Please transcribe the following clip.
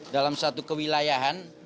dalam satu kewilayahan